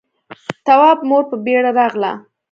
تواب مور په بيړه راغله.